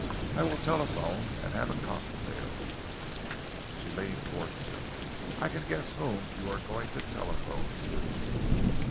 I will telephone and have a cocktail." She leaned towards him. "I can guess whom you are going to telephone to."